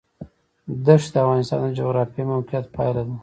دښتې د افغانستان د جغرافیایي موقیعت پایله ده.